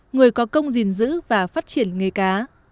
người có công gìn giữ và phát triển nghề cá